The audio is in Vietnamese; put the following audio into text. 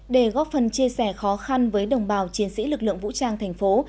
để góp phần chia sẻ khó khăn với đồng bào chiến sĩ lực lượng vũ trang thành phố